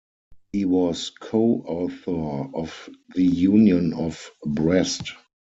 He was co-author of the Union of Brest.